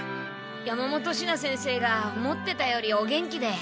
山本シナ先生が思ってたよりお元気で。